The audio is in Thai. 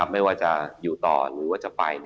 ไม่ว่าจะอยู่ต่อหรือว่าจะไป